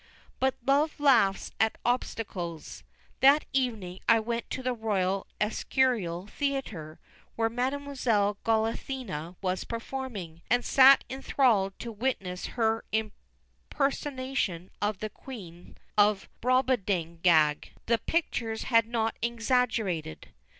But love laughs at obstacles. That evening I went to the Royal Escurial Theatre, where Mademoiselle Goliathina was performing, and sat enthralled to witness her impersonation of the Queen of Brobdingnag. The pictures had not exaggerated.